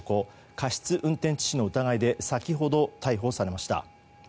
過失運転致死の疑いで先ほど逮捕されました。